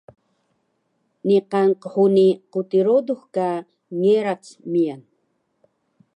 niqan qhuni quti rodux ka ngerac miyan